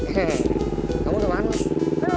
hei kamu udah makan ga